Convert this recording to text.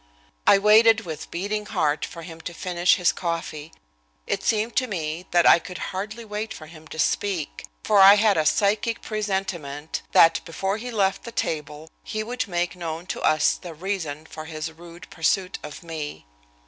I waited with beating heart for him to finish his coffee. It seemed to me that I could hardly wait for him to speak. For I had a psychic presentiment that before he left the table he would make known to us the reason for his rude pursuit of me.